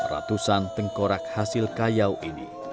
ratusan tengkorak hasil kayau ini